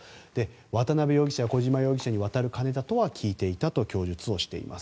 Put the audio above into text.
渡邉容疑者や小島容疑者に渡る金だとは聞いていたと供述しています。